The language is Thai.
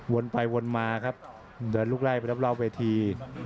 ไปวนมาครับเดินลุกไล่ไปรอบเวที